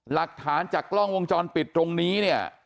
หลักฐานจากกล้องวงจรปิดตรงนี้เนี่ย